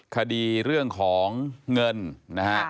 คดีเรื่องของเงินนะฮะ